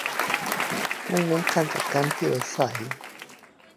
มุ่งเน้นการจัดการที่อยู่อาศัย